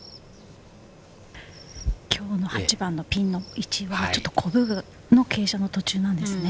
今日の８番のピンの位置はちょっとコブの傾斜の途中なんですよね。